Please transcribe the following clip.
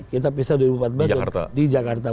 kita pisah dua ribu empat belas di jakarta